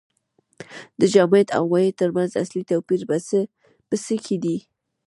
د جامد او مایع ترمنځ اصلي توپیر په څه کې دی